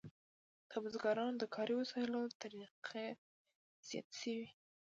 د بزګرانو د کاري وسایلو طریقې زیاتې شوې.